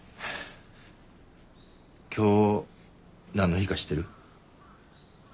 今日何の日か知ってる？